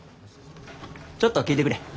ちょっと聞いてくれ。